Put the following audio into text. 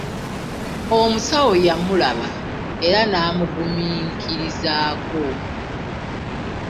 Omusawo yamulaba era n'amuggumiikirizeeko.